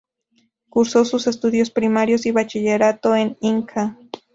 Cursó sus estudios primarios y bachillerato en Inca.